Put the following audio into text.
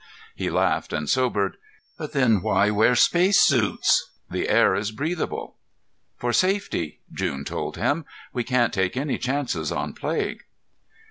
He laughed and sobered. "But then why wear spacesuits? The air is breathable." "For safety," June told him. "We can't take any chances on plague."